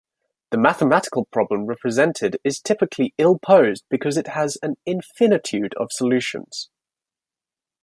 The mathematical problem represented is typically ill-posed because it has an infinitude of solutions.